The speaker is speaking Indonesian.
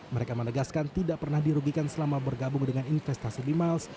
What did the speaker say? mereka menegaskan tidak pernah dirugikan selama bergabung dengan investasi mimiles